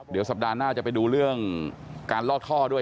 เดี๋ยวสัปดาห์หน้าจะไปดูเรื่องการลอกท่อด้วย